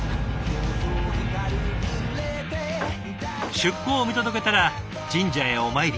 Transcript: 出港を見届けたら神社へお参り。